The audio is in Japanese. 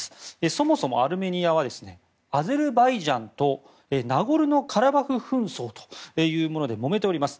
そもそもアルメニアはアゼルバイジャンとナゴルノカラバフ紛争というものでもめております。